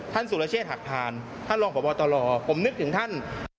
ท่านสุรเชษฐ์หักผ่านท่านลองประบอตรอผมนึกถึงท่าน